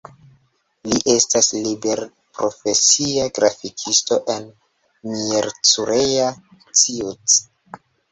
Li estas liberprofesia grafikisto en Miercurea Ciuc.